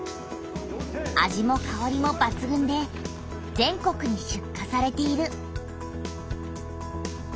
味もかおりもばつぐんで全国に出荷されている。